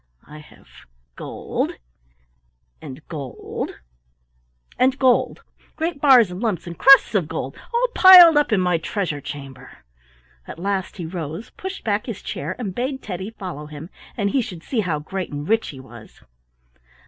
I have gold, and gold, and gold, great bars and lumps and crusts of gold, all piled up in my treasure chamber." At last he rose, pushed back his chair, and bade Teddy follow him and he should see how great and rich he was.